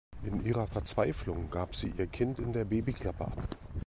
In ihrer Verzweiflung gab sie ihr Kind in der Babyklappe ab.